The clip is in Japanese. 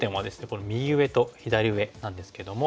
この右上と左上なんですけども。